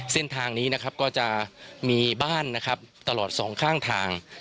เส้นทางนี้นะครับก็จะมีบ้านนะครับตลอดสองข้างทาง